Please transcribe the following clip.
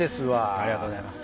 ありがとうございます。